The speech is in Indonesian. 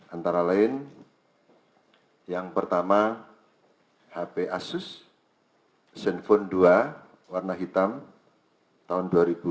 antara lain yang pertama hp asus zenfone dua warna hitam tahun dua ribu delapan